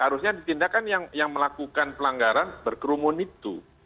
harusnya ditindak kan yang melakukan pelanggaran berkerumun itu